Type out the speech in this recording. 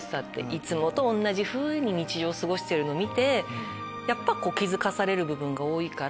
いつもと同じふうに日常過ごしてるの見てやっぱ気付かされる部分が多いから。